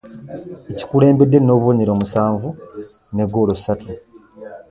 Ekikulembedde n'obubonero musanvu ne ggoolo ssatu